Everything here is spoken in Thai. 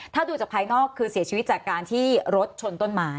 ถ้าดูจากภายนอกคือเสียชีวิตจากการที่รถชนต้นไม้